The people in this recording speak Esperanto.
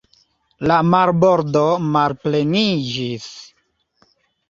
La marbordo malpleniĝis.